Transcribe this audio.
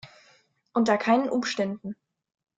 Unter keinen Umständen!